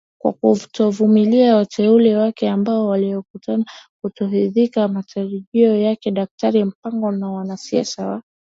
kwa kutovumilia wateule wake ambao walionekana kutokidhi matarajio yakeDaktari Mpango ni mwanasiasa wa